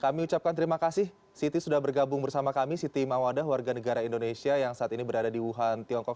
kami ucapkan terima kasih siti sudah bergabung bersama kami siti mawadah warga negara indonesia yang saat ini berada di wuhan tiongkok